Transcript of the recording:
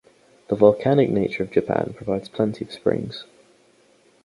The volcanic nature of Japan provides plenty of springs.